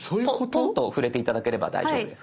トンと触れて頂ければ大丈夫です。